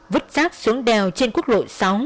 vứt rác xuống đèo trên quốc lộ sáu